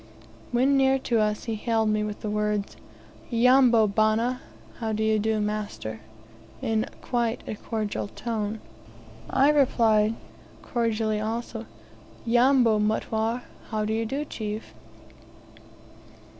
When near to us, he hailed me with the words, "Yambo, bana? How do you do, master?" in quite a cordial tone. I replied cordially also, "Yambo, mutware? How do you do, chief?"